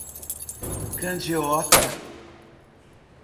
Candiota